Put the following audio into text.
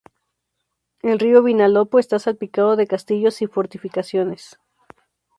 El río Vinalopó está salpicado de castillos y fortificaciones.